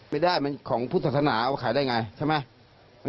ไม่ได้มันของพุทธศาสนาเอาขายได้ไงใช่ไหม